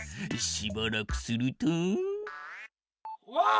しばらくすると。